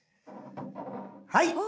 はい！